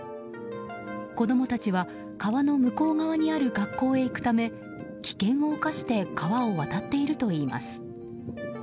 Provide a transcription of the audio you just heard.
子供たちは、川の向こう側にある学校へ行くため危険を冒して川を渡っているといいます。